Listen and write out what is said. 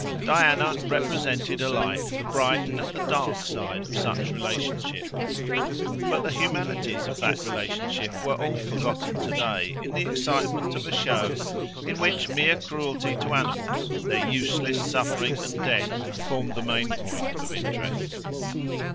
Diana represents alike the bright and the dark side of such relationship. But the humanities of that relationship were all forgotten to day in the excitement of a show, in which mere cruelty to animals, their useless suffering and death, formed the main point of interest.